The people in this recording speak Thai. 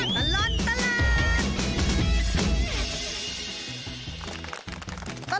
ชั่วตลอดตลาด